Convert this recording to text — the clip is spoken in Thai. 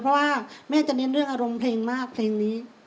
เพราะว่าแม่จะเน้นเรื่องอารมณ์เพลงมากเพลงนี้